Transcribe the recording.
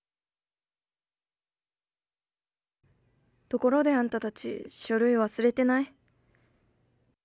ところであんたたち書類忘れてない？